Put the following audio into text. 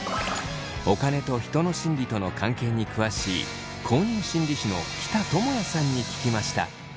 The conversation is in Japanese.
お金と人の心理との関係に詳しい公認心理師の喜田智也さんに聞きました。